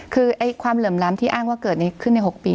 คือความเหลื่อมล้ำที่อ้างว่าเกิดขึ้นใน๖ปี